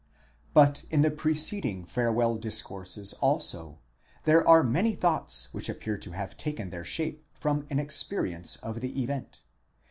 But in the preceding farewell discourses also there are many thoughts which appear to have taken their shape from an experience of the event.